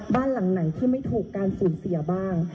บ้านหลังไหนที่ไม่ถูกการสูญเสียบ้าง